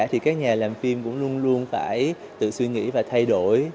thì các nhà làm phim cũng luôn luôn phải tự suy nghĩ và thay đổi